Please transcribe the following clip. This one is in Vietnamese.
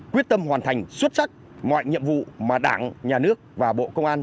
quyết tâm hoàn thành xuất sắc mọi nhiệm vụ mà đảng nhà nước và bộ công an